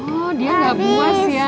oh dia nggak buas ya